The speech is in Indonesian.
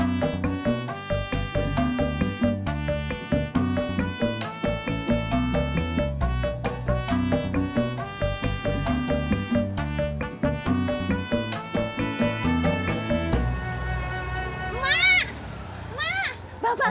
mas ojak silakan